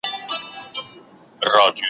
چي دوستان راسره نه وي زه په څشي به پایېږم `